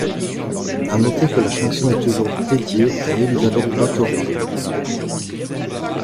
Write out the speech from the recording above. À noter que la chanson est toujours dédiée à Elisabeth Bathory.